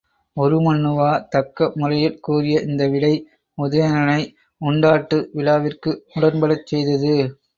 உருமண்ணுவா தக்க முறையில் கூறிய இந்த விடை உதயணனை உண்டாட்டு விழாவிற்கு உடன்படச் செய்தது.